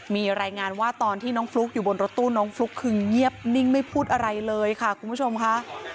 มีรายงานว่าตอนที่น้องฟลุ๊กอยู่บนรถตู้น้องฟลุ๊กคือเงียบนิ่งไม่พูดอะไรเลยค่ะคุณผู้ชมค่ะ